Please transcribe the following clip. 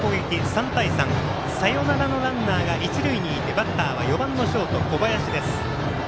３対３、サヨナラのランナーが一塁にいてバッターは４番ショート小林です。